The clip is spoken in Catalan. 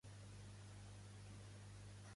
En què diu que creu un hom?